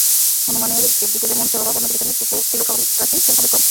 হনুমানের একদিকে যেমন সেবাভাব, অন্যদিকে তেমনি ত্রিলোকসন্ত্রাসী সিংহবিক্রম।